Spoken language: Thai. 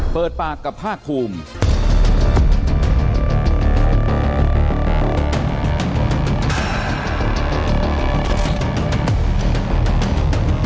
เปิดปากกับภาคภูมิ